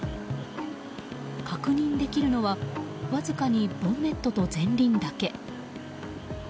確認できるのは、わずかにボンネットと前輪だけ。